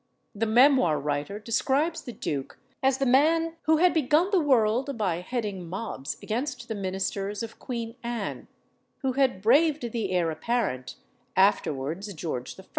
The memoir writer describes the duke as the man "who had begun the world by heading mobs against the ministers of Queen Anne; who had braved the heir apparent, afterwards George I.